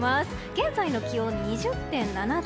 現在の気温２０．７度。